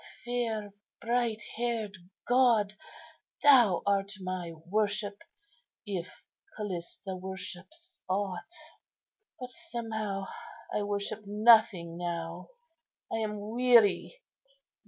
Fair, bright haired god! thou art my worship, if Callista worships aught: but somehow I worship nothing now. I am weary."